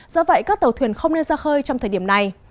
do vậy các tàu thuyền không nên ra khơi trong thời điểm này